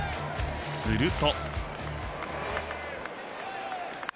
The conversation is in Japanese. すると。